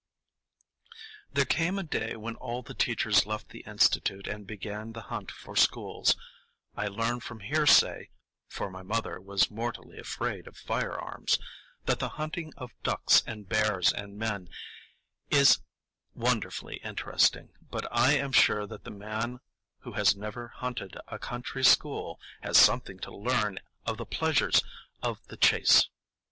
There came a day when all the teachers left the Institute and began the hunt for schools. I learn from hearsay (for my mother was mortally afraid of firearms) that the hunting of ducks and bears and men is wonderfully interesting, but I am sure that the man who has never hunted a country school has something to learn of the pleasures of the chase.